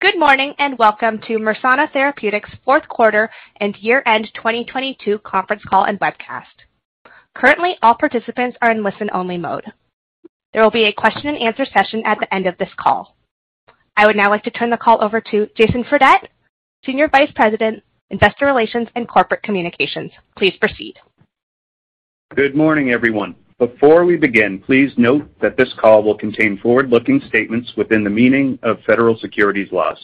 Good morning. Welcome to Mersana Therapeutics fourth quarter and year-end 2022 conference call and webcast. Currently, all participants are in listen-only mode. There will be a question and answer session at the end of this call. I would now like to turn the call over to Jason Fredette, Senior Vice President, Investor Relations and Corporate Communications. Please proceed. Good morning, everyone. Before we begin, please note that this call will contain forward-looking statements within the meaning of federal securities laws.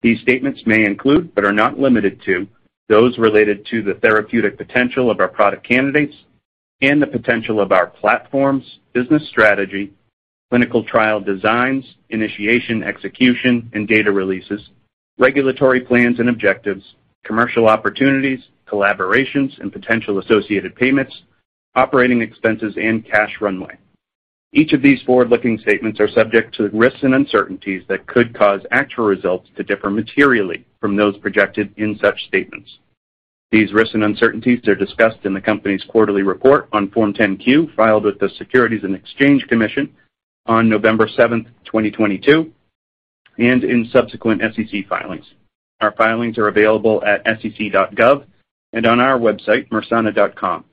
These statements may include, but are not limited to, those related to the therapeutic potential of our product candidates and the potential of our platforms, business strategy, clinical trial designs, initiation, execution, and data releases, regulatory plans and objectives, commercial opportunities, collaborations, and potential associated payments, operating expenses, and cash runway. Each of these forward-looking statements are subject to risks and uncertainties that could cause actual results to differ materially from those projected in such statements. These risks and uncertainties are discussed in the company's quarterly report on Form 10-Q, filed with the Securities and Exchange Commission on November 7th, 2022, and in subsequent SEC filings. Our filings are available at sec.gov and on our website, mersana.com.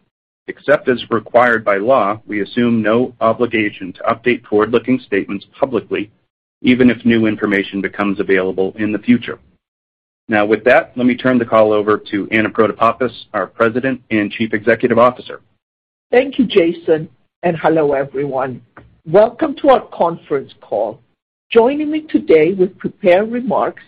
Except as required by law, we assume no obligation to update forward-looking statements publicly, even if new information becomes available in the future. With that, let me turn the call over to Anna Protopapas, our President and Chief Executive Officer. Thank you, Jason. Hello, everyone. Welcome to our conference call. Joining me today with prepared remarks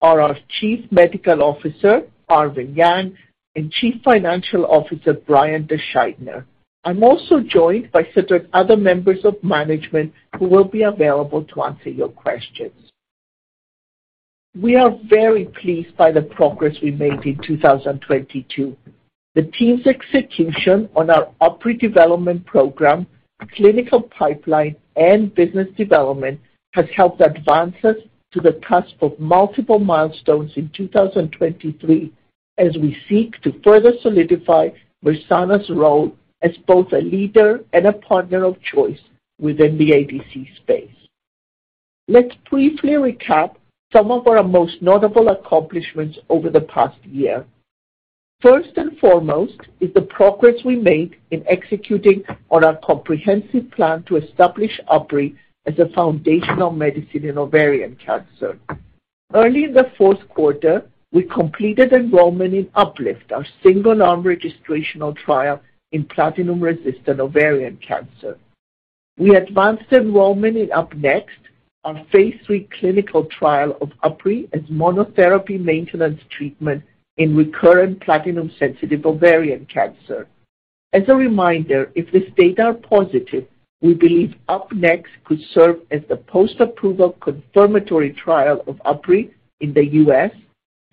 are our Chief Medical Officer, Arvin Yang, and Chief Financial Officer, Brian DeSchuytner. I'm also joined by several other members of management who will be available to answer your questions. We are very pleased by the progress we made in 2022. The team's execution on our UpRi development program, clinical pipeline, and business development has helped advance us to the cusp of multiple milestones in 2023 as we seek to further solidify Mersana's role as both a leader and a partner of choice within the ADC space. Let's briefly recap some of our most notable accomplishments over the past year. First and foremost is the progress we made in executing on our comprehensive plan to establish UpRi as a foundational medicine in ovarian cancer. Early in the 4th quarter, we completed enrollment in UPLIFT, our single-arm registrational trial in platinum-resistant ovarian cancer. We advanced enrollment in Up-Next, our phase III clinical trial of UpRi as monotherapy maintenance treatment in recurrent platinum-sensitive ovarian cancer. As a reminder, if these data are positive, we believe Up-Next could serve as the post-approval confirmatory trial of UpRi in the U.S.,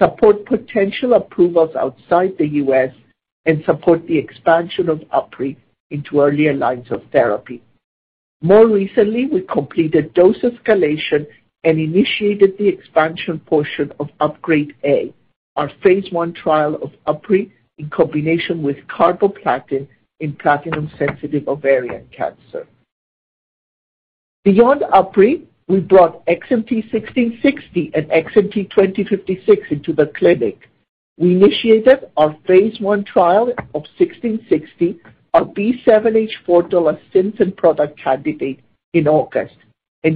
support potential approvals outside the U.S., and support the expansion of UpRi into earlier lines of therapy. Recently, we completed dose escalation and initiated the expansion portion of UPGRADE-A, our phase I trial of UpRi in combination with carboplatin in platinum-sensitive ovarian cancer. Beyond UpRi, we brought XMT-1660 and XMT-2056 into the clinic. We initiated our phase I trial of 1660, our B7-H4 Dolasynthen product candidate in August.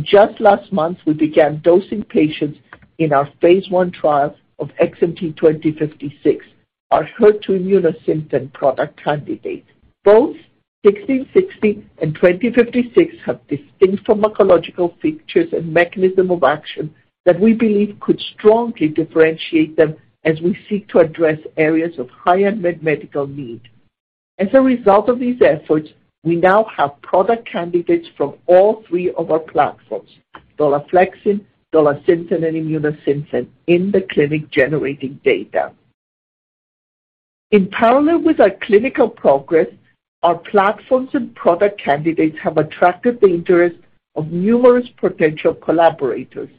Just last month, we began dosing patients in our phase I trial of XMT-2056, our HER2 Immunosynthen product candidate. Both XMT-1660 and XMT-2056 have distinct pharmacological features and mechanism of action that we believe could strongly differentiate them as we seek to address areas of high unmet medical need. As a result of these efforts, we now have product candidates from all three of our platforms, Dolasynthen, Dolasynthen, and Immunosynthen, in the clinic generating data. In parallel with our clinical progress, our platforms and product candidates have attracted the interest of numerous potential collaborators.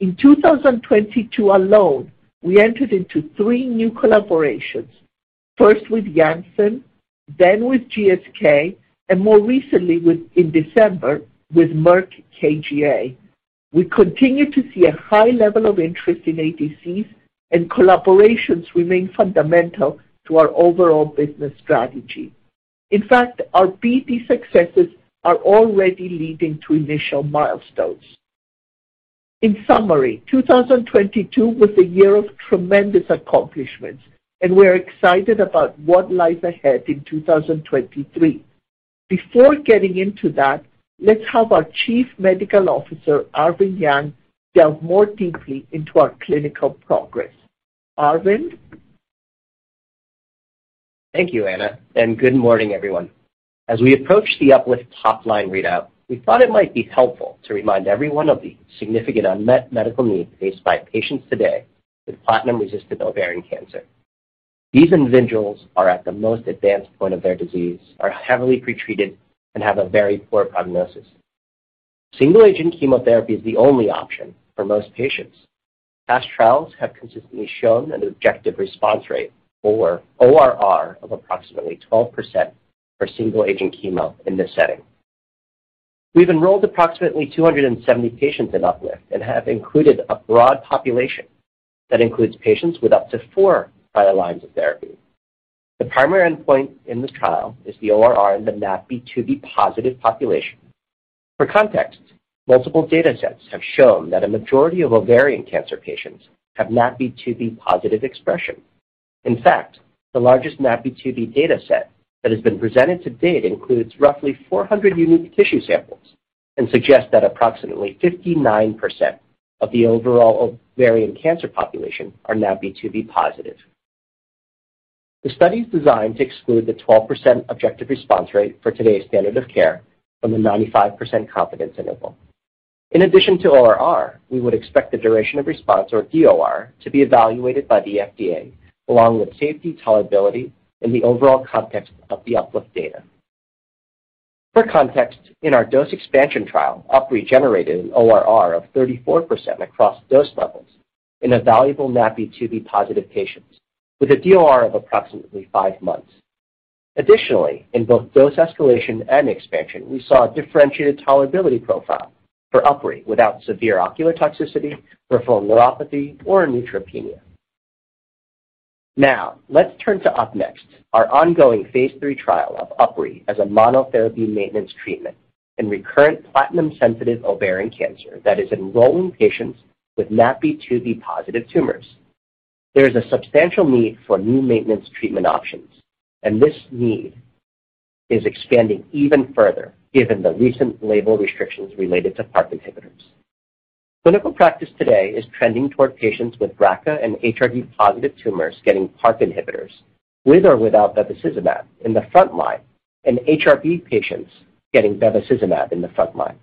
In 2022 alone, we entered into three new collaborations. First with Janssen, then with GSK, and more recently, in December, with Merck KGaA. We continue to see a high level of interest in ADCs and collaborations remain fundamental to our overall business strategy. In fact, our BP successes are already leading to initial milestones. In summary, 2022 was a year of tremendous accomplishments. We're excited about what lies ahead in 2023. Before getting into that, let's have our Chief Medical Officer, Arvin Yang, delve more deeply into our clinical progress. Arvin? Thank you, Anna. Good morning, everyone. As we approach the UPLIFT top-line readout, we thought it might be helpful to remind everyone of the significant unmet medical needs faced by patients today with platinum-resistant ovarian cancer. These individuals are at the most advanced point of their disease, are heavily pretreated, and have a very poor prognosis. Single-agent chemotherapy is the only option for most patients. Past trials have consistently shown an objective response rate or ORR of approximately 12% for single-agent chemo in this setting. We've enrolled approximately 270 patients in UPLIFT and have included a broad population that includes patients with up to four prior lines of therapy. The primary endpoint in the trial is the ORR in the NaPi2b positive population. For context, multiple data sets have shown that a majority of ovarian cancer patients have NaPi2b positive expression. The largest NaPi2b data set that has been presented to date includes roughly 400 unique tissue samples and suggests that approximately 59% of the overall ovarian cancer population are NaPi2b positive. The study is designed to exclude the 12% objective response rate for today's standard of care from the 95% confidence interval. In addition to ORR, we would expect the duration of response or DOR to be evaluated by the FDA, along with safety, tolerability, and the overall context of the UPLIFT data. For context, in our dose expansion trial, UpRi generated an ORR of 34% across dose levels in evaluable NaPi2b positive patients with a DOR of approximately five months. In both dose escalation and expansion, we saw a differentiated tolerability profile for UpRi without severe ocular toxicity, peripheral neuropathy or neutropenia. Let's turn to UP-NEXT, our ongoing phase III trial of UpRi as a monotherapy maintenance treatment in recurrent platinum sensitive ovarian cancer that is enrolling patients with NaPi2b positive tumors. There is a substantial need for new maintenance treatment options, and this need is expanding even further given the recent label restrictions related to PARP inhibitors. Clinical practice today is trending toward patients with BRCA and HRD positive tumors getting PARP inhibitors with or without bevacizumab in the front line, and HRD patients getting bevacizumab in the front line.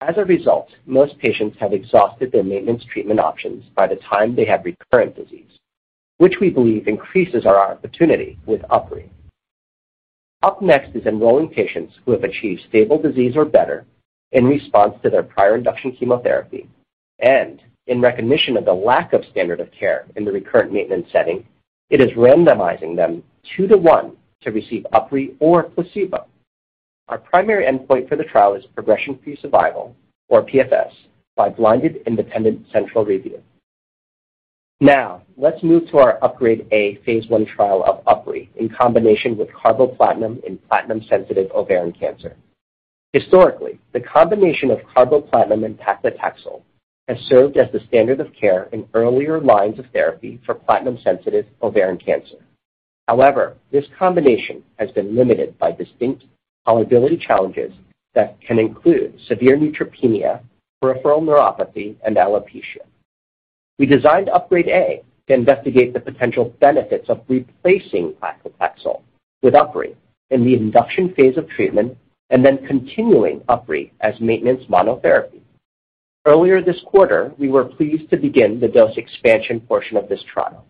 As a result, most patients have exhausted their maintenance treatment options by the time they have recurrent disease, which we believe increases our opportunity with UpRi. UP-NEXT is enrolling patients who have achieved stable disease or better in response to their prior induction chemotherapy, and in recognition of the lack of standard of care in the recurrent maintenance setting, it is randomizing them two to one to receive UpRi or placebo. Our primary endpoint for the trial is progression-free survival, or PFS, by blinded independent central review. Let's move to our UPGRADE-A phase I trial of UpRi in combination with carboplatin in platinum sensitive ovarian cancer. Historically, the combination of carboplatin and paclitaxel has served as the standard of care in earlier lines of therapy for platinum sensitive ovarian cancer. However, this combination has been limited by distinct tolerability challenges that can include severe neutropenia, peripheral neuropathy and alopecia. We designed UPGRADE-A to investigate the potential benefits of replacing paclitaxel with UpRi in the induction phase of treatment and then continuing UpRi as maintenance monotherapy. Earlier this quarter, we were pleased to begin the dose expansion portion of this trial.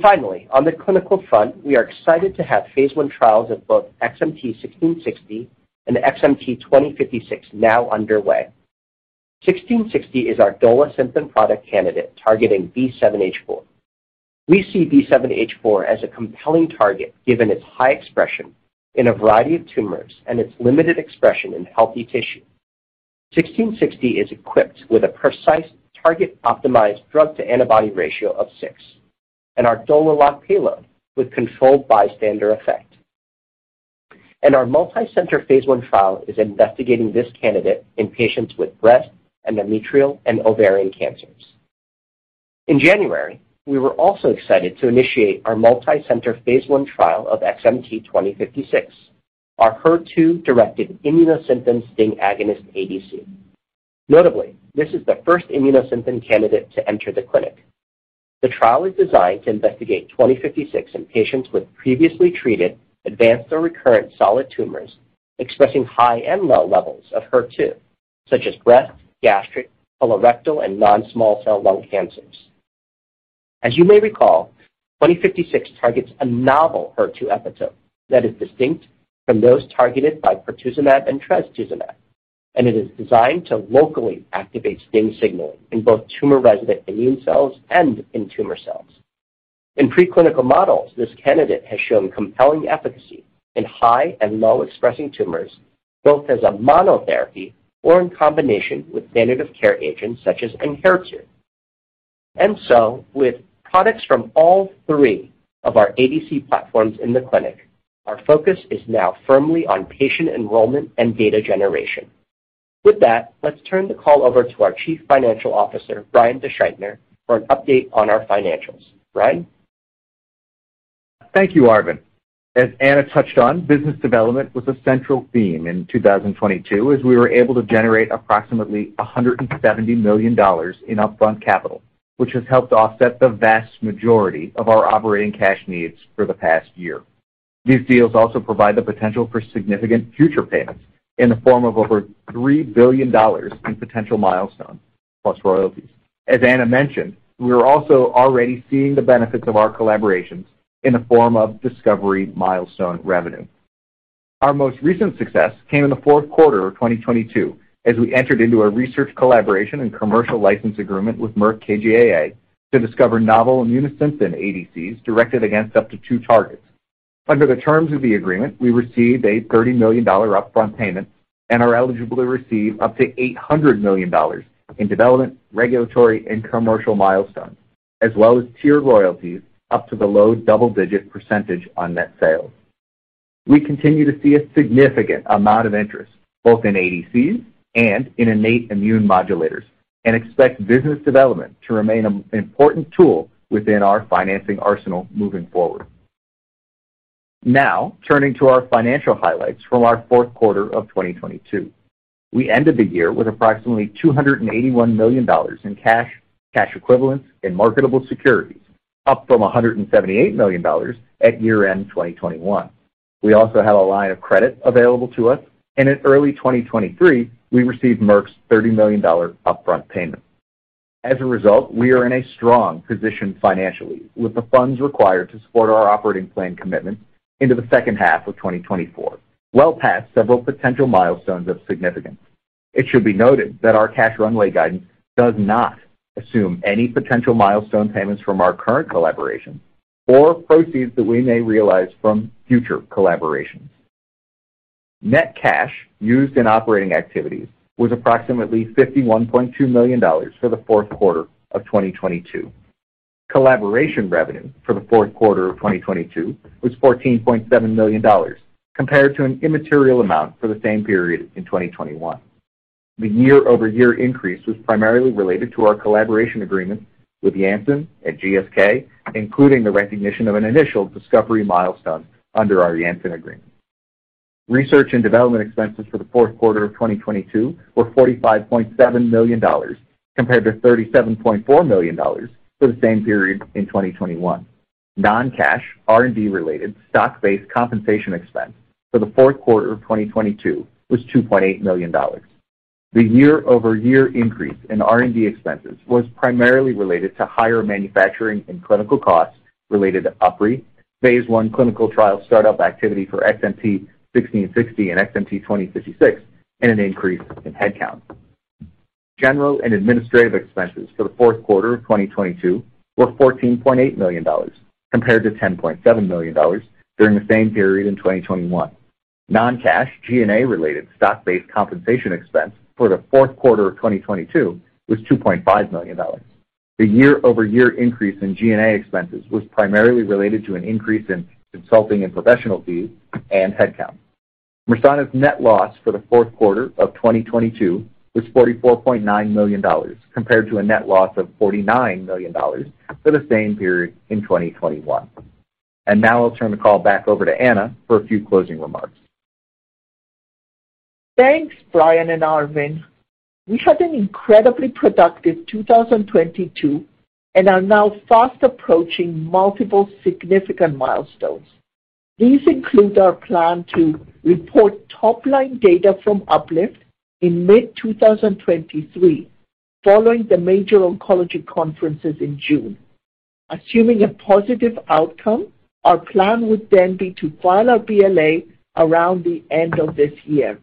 Finally, on the clinical front, we are excited to have phase I trials of both XMT-1660 and XMT-2056 now underway. 1660 is our Dolasynthen product candidate targeting B7-H4. We see B7-H4 as a compelling target given its high expression in a variety of tumors and its limited expression in healthy tissue. 1660 is equipped with a precise target optimized drug-to-antibody ratio of six and our DoloLock payload with controlled bystander effect. Our multicenter phase I trial is investigating this candidate in patients with breast, endometrial, and ovarian cancers. In January, we were also excited to initiate our multicenter phase I trial of XMT-2056, our HER2 directed Immunosynthen STING agonist ADC. Notably, this is the first Immunosynthen candidate to enter the clinic. The trial is designed to investigate XMT-2056 in patients with previously treated, advanced or recurrent solid tumors expressing high and low levels of HER2 such as breast, gastric, colorectal and non-small cell lung cancers. As you may recall, XMT-2056 targets a novel HER2 epitope that is distinct from those targeted by pertuzumab and trastuzumab, and it is designed to locally activate STING signaling in both tumor resident immune cells and in tumor cells. In preclinical models, this candidate has shown compelling efficacy in high and low expressing tumors, both as a monotherapy or in combination with standard of care agents such as Enhertu. With products from all three of our ADC platforms in the clinic, our focus is now firmly on patient enrollment and data generation. With that, let's turn the call over to our Chief Financial Officer, Brian DeSchuytner, for an update on our financials. Brian? Thank you, Arvin. As Anna touched on, business development was a central theme in 2022 as we were able to generate approximately $170 million in upfront capital, which has helped offset the vast majority of our operating cash needs for the past year. These deals also provide the potential for significant future payments in the form of over $3 billion in potential milestones plus royalties. As Anna mentioned, we are also already seeing the benefits of our collaborations in the form of discovery milestone revenue. Our most recent success came in the fourth quarter of 2022 as we entered into a research collaboration and commercial license agreement with Merck KGaA to discover novel Immunosynthen ADCs directed against up to two targets. Under the terms of the agreement, we received a $30 million upfront payment and are eligible to receive up to $800 million in development, regulatory, and commercial milestones, as well as tiered royalties up to the low double-digit % on net sales. We continue to see a significant amount of interest, both in ADCs and in innate immune modulators, and expect business development to remain an important tool within our financing arsenal moving forward. Turning to our financial highlights from our fourth quarter of 2022. We ended the year with approximately $281 million in cash equivalents, and marketable securities, up from $178 million at year-end 2021. We also have a line of credit available to us. In early 2023, we received Merck's $30 million upfront payment. As a result, we are in a strong position financially with the funds required to support our operating plan commitments into the second half of 2024, well past several potential milestones of significance. It should be noted that our cash runway guidance does not assume any potential milestone payments from our current collaborations or proceeds that we may realize from future collaborations. Net cash used in operating activities was approximately $51.2 million for the fourth quarter of 2022. Collaboration revenue for the fourth quarter of 2022 was $14.7 million compared to an immaterial amount for the same period in 2021. The year-over-year increase was primarily related to our collaboration agreements with Janssen and GSK, including the recognition of an initial discovery milestone under our Janssen agreement. Research and development expenses for the fourth quarter of 2022 were $45.7 million compared to $37.4 million for the same period in 2021. Non-cash R&D-related stock-based compensation expense for the fourth quarter of 2022 was $2.8 million. The year-over-year increase in R&D expenses was primarily related to higher manufacturing and clinical costs related to UpRi, phase I clinical trial start-up activity for XMT-1660 and XMT-2056, and an increase in headcount. General and administrative expenses for the fourth quarter of 2022 were $14.8 million compared to $10.7 million during the same period in 2021. Non-cash G&A-related stock-based compensation expense for the fourth quarter of 2022 was $2.5 million. The year-over-year increase in G&A expenses was primarily related to an increase in consulting and professional fees and headcount. Mersana's net loss for the fourth quarter of 2022 was $44.9 million, compared to a net loss of $49 million for the same period in 2021. Now I'll turn the call back over to Anna for a few closing remarks. Thanks, Brian and Arvin. We had an incredibly productive 2022 and are now fast approaching multiple significant milestones. These include our plan to report top-line data from UPLIFT in mid-2023, following the major oncology conferences in June. Assuming a positive outcome, our plan would then be to file our BLA around the end of this year.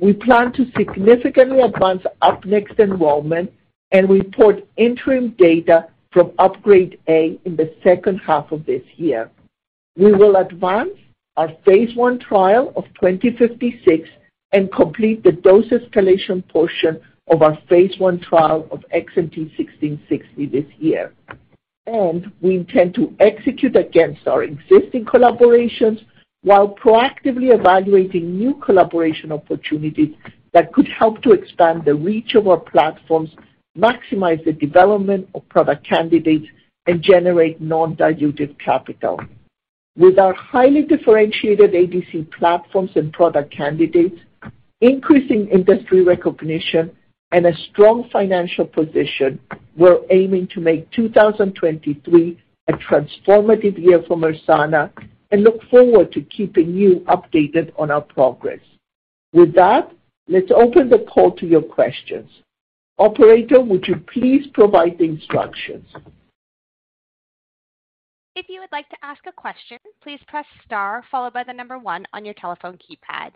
We plan to significantly advance UP-NEXT enrollment and report interim data from UPGRADE-A in the second half of this year. We will advance our phase I trial of XMT-2056 and complete the dose escalation portion of our phase I trial of XMT-1660 this year. We intend to execute against our existing collaborations while proactively evaluating new collaboration opportunities that could help to expand the reach of our platforms, maximize the development of product candidates, and generate non-dilutive capital. With our highly differentiated ADC platforms and product candidates, increasing industry recognition, and a strong financial position, we're aiming to make 2023 a transformative year for Mersana and look forward to keeping you updated on our progress. With that, let's open the call to your questions. Operator, would you please provide the instructions? If you would like to ask a question, please press star followed by the number one on your telephone keypad.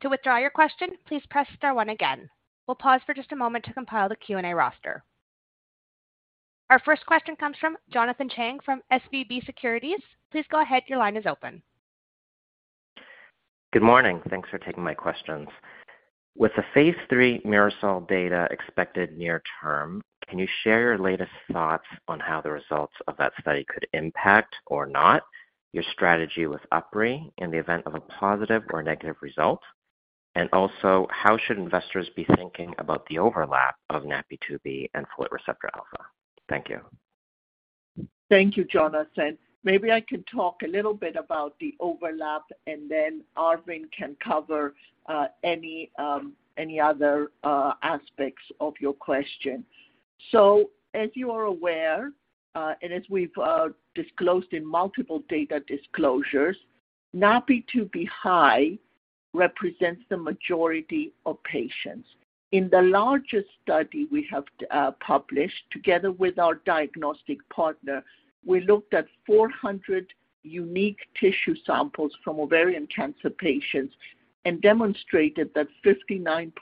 To withdraw your question, please press star one again. We'll pause for just a moment to compile the Q&A roster. Our first question comes from Jonathan Chang from SVB Securities. Please go ahead. Your line is open. Good morning. Thanks for taking my questions. With the phase III MIRASOL data expected near term, can you share your latest thoughts on how the results of that study could impact or not your strategy with UpRi in the event of a positive or negative result? Also, how should investors be thinking about the overlap of NaPi2b and folate receptor alpha? Thank you. Thank you, Jonathan. Maybe I can talk a little bit about the overlap, and then Arvin can cover any other aspects of your question. As you are aware, and as we've disclosed in multiple data disclosures, NaPi2b high represents the majority of patients. In the largest study we have published together with our diagnostic partner, we looked at 400 unique tissue samples from ovarian cancer patients and demonstrated that 59%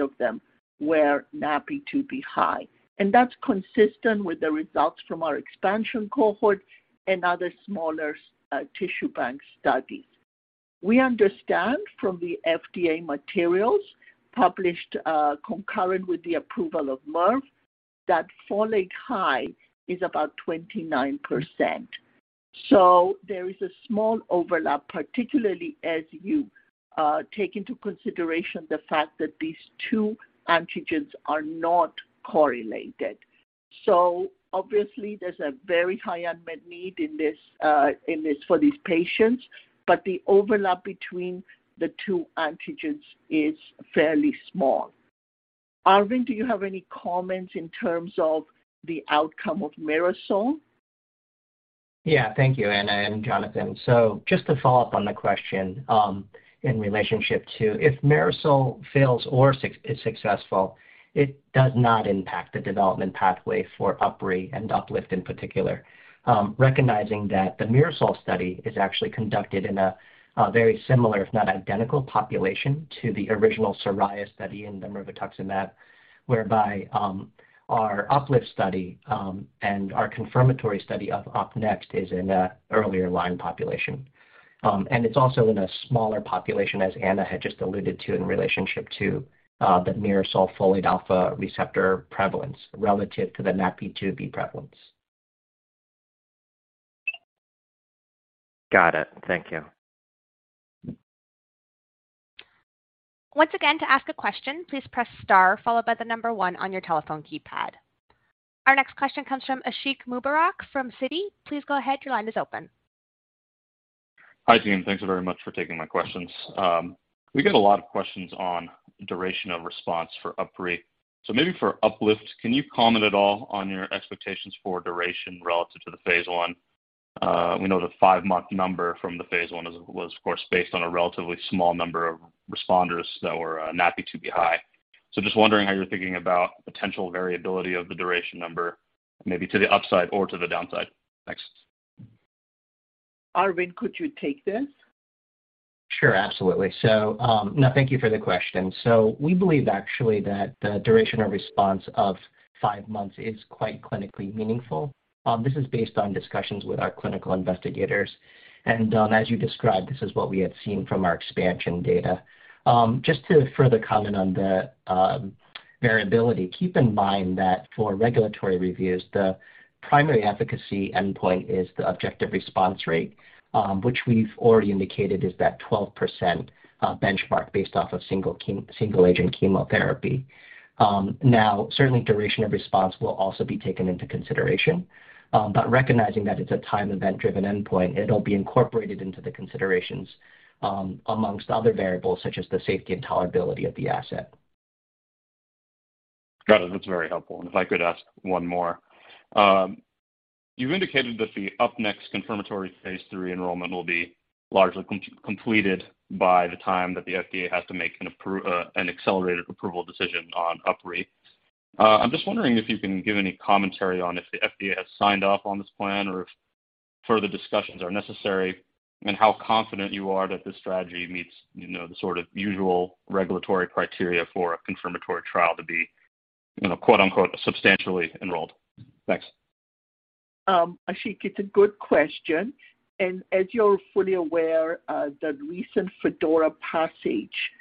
of them were NaPi2b high. That's consistent with the results from our expansion cohort and other smaller tissue bank studies. We understand from the FDA materials published concurrent with the approval of Merck, that folate high is about 29%. There is a small overlap, particularly as you take into consideration the fact that these two antigens are not correlated. Obviously, there's a very high unmet need for these patients, but the overlap between the two antigens is fairly small. Arvin, do you have any comments in terms of the outcome of MIRASOL? Yeah. Thank you, Anna and Jonathan. Just to follow up on the question, in relationship to if MIRASOL fails or is successful, it does not impact the development pathway for UpRi and UPLIFT in particular. Recognizing that the MIRASOL study is actually conducted in a very similar, if not identical, population to the original SORAYA study in the mirvetuximab, whereby our UPLIFT study and our confirmatory study of UP-NEXT is in a earlier line population. It's also in a smaller population, as Anna had just alluded to, in relationship to the MIRASOL folate receptor alpha prevalence relative to the NaPi2b prevalence. Got it. Thank you. Once again, to ask a question, please press star followed by the number one on your telephone keypad. Our next question comes from Ashiq Mubarack from Citi. Please go ahead. Your line is open. Hi, team. Thank you very much for taking my questions. We get a lot of questions on duration of response for UpRi. Maybe for UPLIFT, can you comment at all on your expectations for duration relative to the phase I? We know the five-month number from the phase I was of course, based on a relatively small number of responders that were NaPi2b high. Just wondering how you're thinking about potential variability of the duration number, maybe to the upside or to the downside. Thanks. Arvin, could you take this? Sure. Absolutely. No, thank you for the question. We believe actually that the duration of response of five months is quite clinically meaningful. This is based on discussions with our clinical investigators. As you described, this is what we had seen from our expansion data. Just to further comment on the variability, keep in mind that for regulatory reviews, the primary efficacy endpoint is the objective response rate, which we've already indicated is that 12% benchmark based off of single agent chemotherapy. Certainly duration of response will also be taken into consideration, but recognizing that it's a time event-driven endpoint, it'll be incorporated into the considerations, amongst other variables such as the safety and tolerability of the asset. Got it. That's very helpful. If I could ask one more. You've indicated that the UP-NEXT confirmatory phase III enrollment will be largely completed by the time that the FDA has to make an accelerated approval decision on UpRi. I'm just wondering if you can give any commentary on if the FDA has signed off on this plan or if further discussions are necessary, and how confident you are that this strategy meets, you know, the sort of usual regulatory criteria for a confirmatory trial to be, you know, quote-unquote, "substantially enrolled." Thanks. Ashiq, it's a good question. As you're fully aware, the recent FDORA passage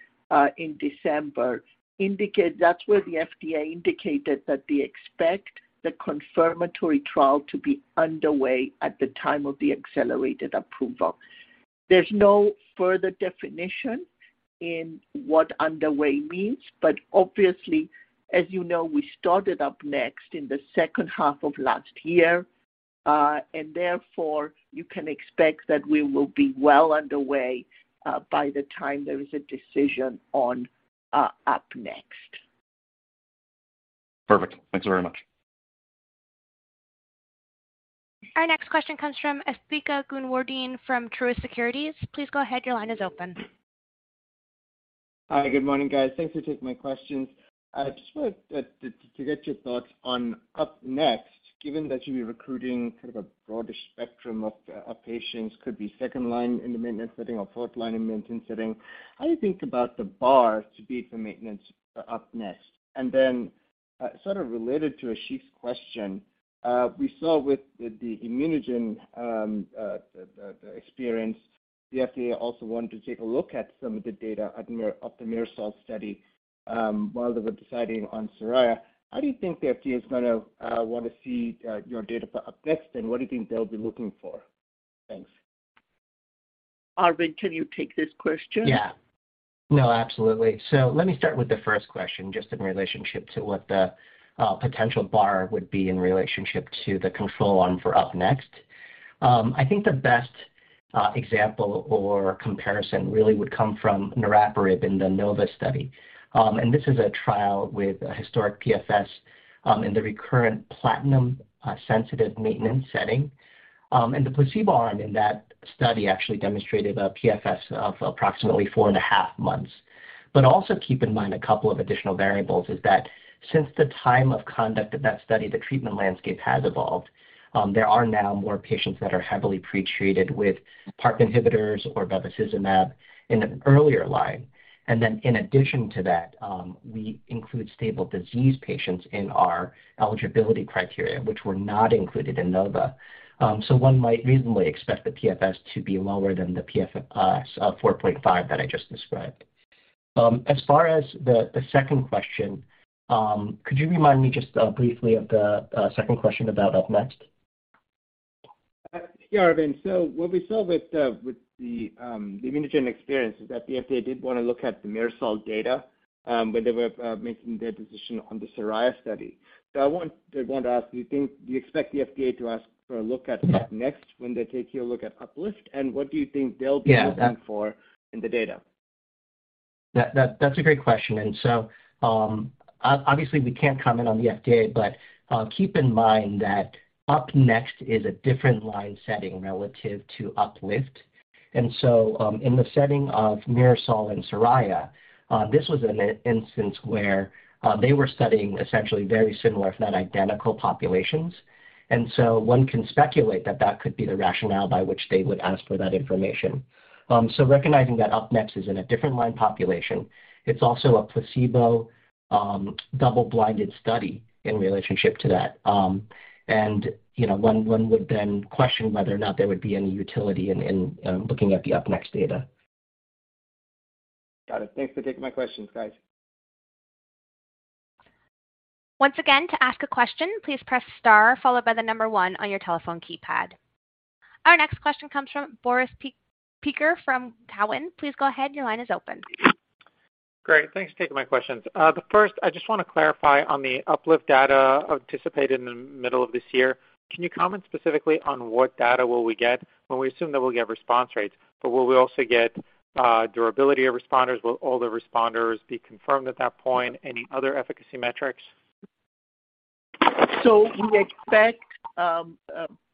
in December, that's where the FDA indicated that they expect the confirmatory trial to be underway at the time of the accelerated approval. There's no further definition in what underway means, but obviously, as you know, we started UP-NEXT in the second half of last year, and therefore, you can expect that we will be well underway by the time there is a decision on UP-NEXT. Perfect. Thanks very much. Our next question comes from Asthika Goonewardene from Truist Securities. Please go ahead. Your line is open. Hi. Good morning, guys. Thanks for taking my questions. I just wanted to get your thoughts on UP-NEXT, given that you'll be recruiting sort of a broader spectrum of patients, could be second line in the maintenance setting or fourth line in maintenance setting. How do you think about the bar to be for maintenance for UP-NEXT? Sort of related to Ashiq's question, we saw with the ImmunoGen experience, the FDA also wanted to take a look at some of the data of the MIRASOL study, while they were deciding on SORAYA. How do you think the FDA is gonna wanna see your data for UP-NEXT, and what do you think they'll be looking for? Thanks. Arvin, can you take this question? No, absolutely. Let me start with the first question just in relationship to what the potential bar would be in relationship to the control arm for UP-NEXT. I think the best example or comparison really would come from niraparib in the NOVA study. And this is a trial with a historic PFS in the recurrent platinum sensitive maintenance setting. And the placebo arm in that study actually demonstrated a PFS of approximately four and a half months. Also keep in mind a couple of additional variables is that since the time of conduct of that study, the treatment landscape has evolved. There are now more patients that are heavily pre-treated with PARP inhibitors or bevacizumab in an earlier line. In addition to that, we include stable disease patients in our eligibility criteria, which were not included in NOVA. One might reasonably expect the PFS to be lower than the PFS 4.5 that I just described. As far as the second question, could you remind me just briefly of the second question about UP-NEXT? Yeah, Arvind. What we saw with the, with the ImmunoGen experience is that the FDA did wanna look at the MIRASOL data when they were making their decision on the SORAYA study. I want to ask, do you expect the FDA to ask for a look at that next when they take a look at UPLIFT? What do you think they'll be- Yeah. ...looking for in the data? That's a great question. Obviously, we can't comment on the FDA, but keep in mind that UP-NEXT is a different line setting relative to UPLIFT. In the setting of MIRASOL and SORAYA, this was an instance where they were studying essentially very similar, if not identical, populations. One can speculate that that could be the rationale by which they would ask for that information. Recognizing that UP-NEXT is in a different line population, it's also a placebo, double-blinded study in relationship to that. You know, one would then question whether or not there would be any utility in looking at the UP-NEXT data. Got it. Thanks for taking my questions, guys. Once again, to ask a question, please press star followed by the one on your telephone keypad. Our next question comes from Boris Peaker from Cowen. Please go ahead, your line is open. Great. Thanks for taking my questions. The first, I just wanna clarify on the UPLIFT data anticipated in the middle of this year. Can you comment specifically on what data will we get when we assume that we'll get response rates? Will we also get durability of responders? Will all the responders be confirmed at that point? Any other efficacy metrics?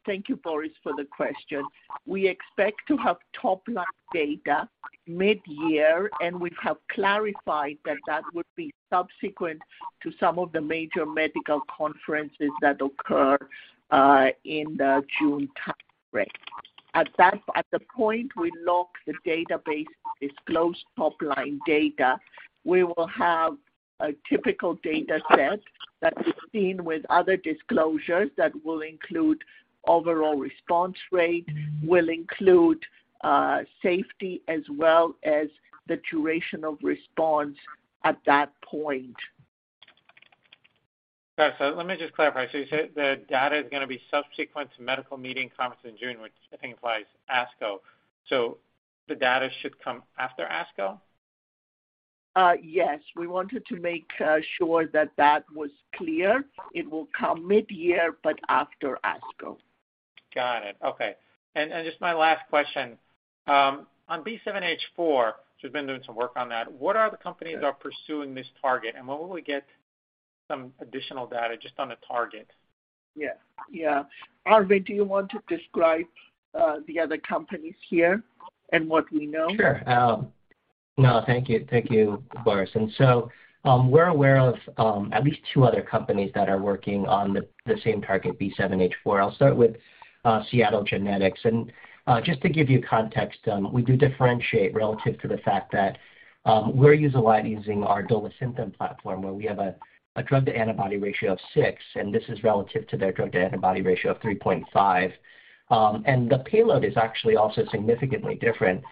Thank you, Boris, for the question. We expect to have top-line data mid-year, and we have clarified that that would be subsequent to some of the major medical conferences that occur in the June time frame. At the point we lock the database disclosed top line data, we will have a typical data set that we've seen with other disclosures that will include overall response rate, will include safety, as well as the duration of response at that point. Got it. Let me just clarify. You said the data is gonna be subsequent to medical meeting conference in June, which I think implies ASCO. The data should come after ASCO? Yes. We wanted to make sure that that was clear. It will come mid-year, but after ASCO. Got it. Okay. Just my last question on B7-H4, which we've been doing some work on that, what other companies are pursuing this target? When will we get some additional data just on the target? Yeah. Yeah. Arvind, do you want to describe the other companies here and what we know? Sure. No, thank you. Thank you, Boris. We're aware of at least two other companies that are working on the same target, B7-H4. I'll start with Seattle Genetics. Just to give you context, we do differentiate relative to the fact that we're using our Dolasynthen platform, where we have a drug to antibody ratio of six, and this is relative to their drug to antibody ratio of 3.5. The payload is actually also significantly different.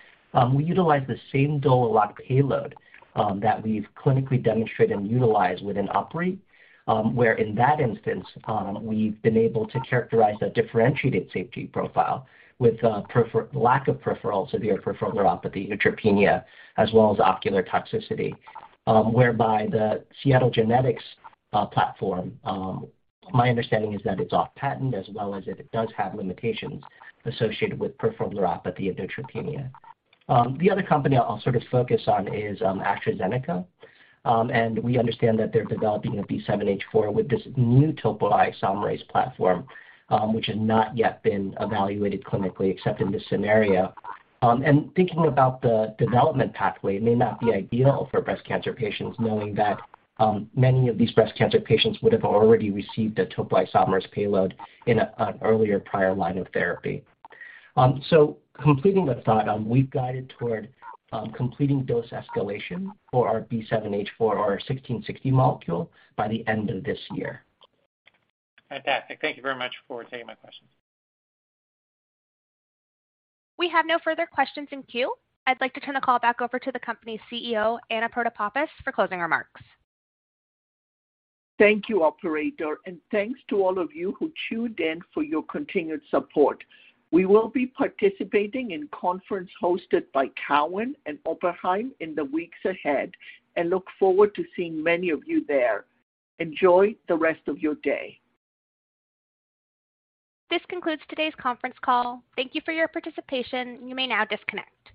We utilize the same DolaLock payload that we've clinically demonstrated and utilized within UpRi, where in that instance, we've been able to characterize a differentiated safety profile with lack of peripheral, severe peripheral neuropathy and uveitis as well as ocular toxicity. Whereby the Seattle Genetics platform, my understanding is that it's off patent as well as it does have limitations associated with peripheral neuropathy and uveitis. Other company I'll sort of focus on is AstraZeneca. We understand that they're developing a B7-H4 with this new topoisomerase platform, which has not yet been evaluated clinically except in this scenario. Thinking about the development pathway may not be ideal for breast cancer patients, knowing that many of these breast cancer patients would have already received a topoisomerase payload in an earlier prior line of therapy. Completing the thought, we've guided toward completing dose escalation for our B7-H4 or sixteen sixty molecule by the end of this year. Fantastic. Thank you very much for taking my question. We have no further questions in queue. I'd like to turn the call back over to the company's CEO, Anna Protopapas, for closing remarks. Thank you, operator, and thanks to all of you who tuned in for your continued support. We will be participating in conference hosted by Cowen and Oppenheimer in the weeks ahead and look forward to seeing many of you there. Enjoy the rest of your day. This concludes today's conference call. Thank you for your participation. You may now disconnect.